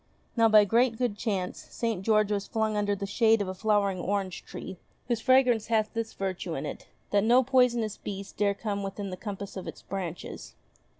Now, by great good chance, St. George was flung under the shade of a flowering orange tree, whose fragrance hath this virtue in it, that no poisonous beast dare come within the compass of its branches.